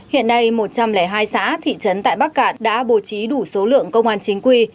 hiện nay một trăm linh hai xã thị trấn tại bắc cạn đã bổ trí đủ số lượng công an chính quy